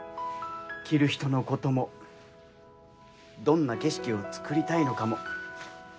着る人のこともどんな景色をつくりたいのかも。